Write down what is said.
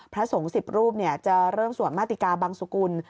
พระสงฆ์๑๐รูปจะเริ่มสวดมาติกาบังสุกุล